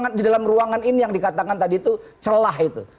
karena di dalam ruangan ini yang dikatakan tadi itu celah itu